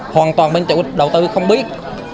hoàn toàn bên chủ đầu tư không biết